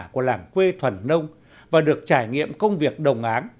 của làng quê thuần nông và được trải nghiệm công việc đồng áng